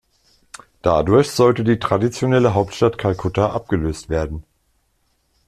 Dadurch sollte die traditionelle Hauptstadt Kalkutta abgelöst werden.